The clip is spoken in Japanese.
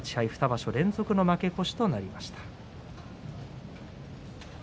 ２場所連続の負け越しとなりました。